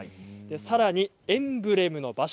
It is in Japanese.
さらにエンブレムの場所。